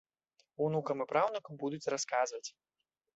Унукам і праўнукам будуць расказваць.